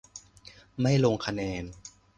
ไม่ลงคะแนน